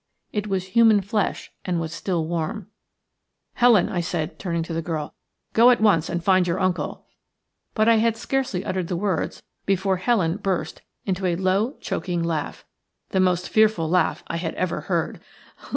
It was human flesh and was still warm. "Helen," I said, turning to the girl, "go at once and find your uncle." But I had scarcely uttered the words before Helen burst into a low, choking laugh – the most fearful laugh I had ever heard.